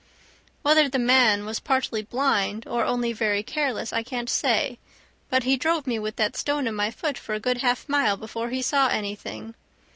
Whether the man was partly blind or only very careless I can't say, but he drove me with that stone in my foot for a good half mile before he saw anything.